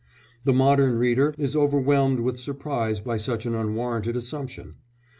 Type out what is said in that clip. The modern reader is overwhelmed with surprise by such an unwarranted assumption.